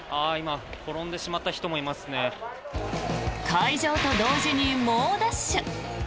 開場と同時に猛ダッシュ。